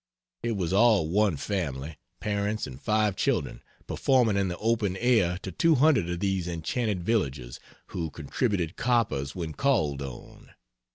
It was all one family parents and 5 children performing in the open air to 200 of these enchanted villagers, who contributed coppers when called on.